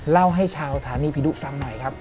เล่าให้ชาวสถานีผีดุฟังหน่อยครับ